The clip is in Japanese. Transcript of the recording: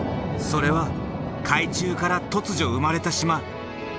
それは海中から突如生まれた島。